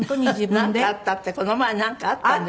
なんかあったってこの前なんかあったんですって？